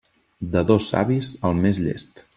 De dos savis, el més llest.